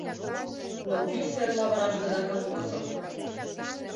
Но кӱ сер лавыраш гына камвозо.